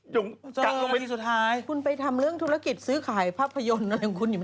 ลงไปที่สุดท้ายคุณไปทำเรื่องธุรกิจซื้อขายภาพยนตร์อะไรของคุณอยู่ไหม